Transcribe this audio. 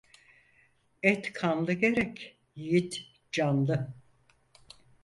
Et kanlı gerek, yiğit canlı.